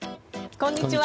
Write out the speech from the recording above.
こんにちは。